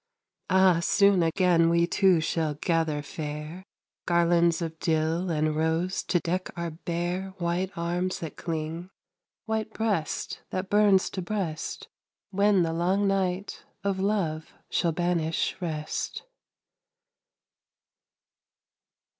Ah, soon again we two shall gather fair Garlands of dill and rose to deck our bare White arms that cling, white breast that burns to breast, When the long night of love shall banish rest.